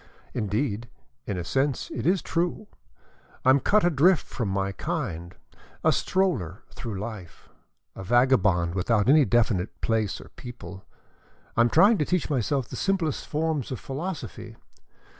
Indeed, in a sense it is true. I am cut adrift from my kind, a stroller through life, a vagabond without any definite place or people. I am trying to teach myself the simplest forms of philosophy.